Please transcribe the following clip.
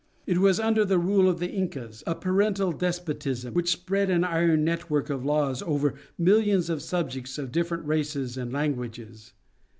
It was under the rule of the Incas, a parental despotism, which spread an iron network of laws over millions of subjects of different races and languages.